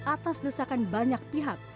atas desakan banyak pihak